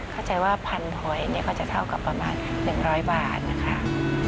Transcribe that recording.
เข้าใจว่าพันธุ์หอยเนี่ยก็จะเท่ากับประมาณ๑๐๐บาทค่ะ